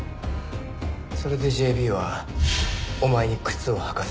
それでＪＢはお前に靴を履かせなかったのか？